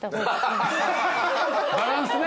バランスね。